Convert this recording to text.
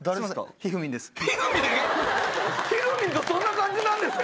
ひふみんとそんな感じなんですか？